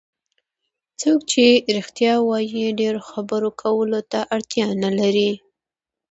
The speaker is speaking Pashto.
څوک چې رښتیا وایي ډېرو خبرو کولو ته اړتیا نه لري.